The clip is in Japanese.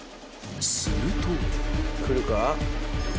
［すると］